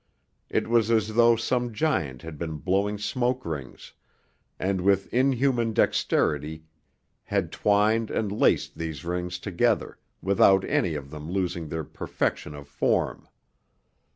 It was as though some giant had been blowing smoke rings, and with inhuman dexterity had twined and laced these rings together, without any of them losing their perfection of form....